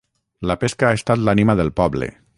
La pesca ha estat l'ànima del poble